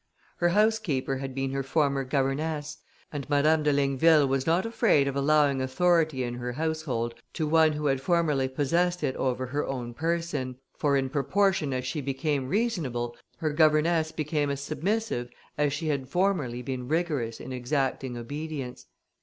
Her housekeeper had been her former governess, and Madame de Ligneville was not afraid of allowing authority in her household to one who had formerly possessed it over her own person; for in proportion as she became reasonable, her governess became as submissive as she had formerly been rigorous in exacting obedience.